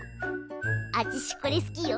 あちしこれ好きよ。